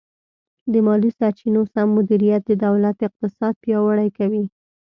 د مالي سرچینو سم مدیریت د دولت اقتصاد پیاوړی کوي.